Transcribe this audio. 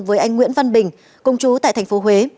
với anh nguyễn văn bình công chú tại tp huế